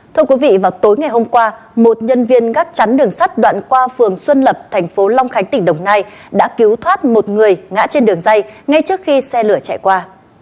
thưa quý vị vào tối ngày hôm qua một nhân viên gắt chắn đường sắt đoạn qua phường xuân lập thành phố long khánh tỉnh đồng nai đã cứu thoát một người ngã trên đường dây ngay trước khi xe lửa chạy qua